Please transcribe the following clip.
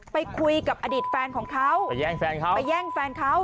ไปคุยกับอดีตแฟนของเขาไปแย่งแฟนเขาไปแย่งแฟนเขา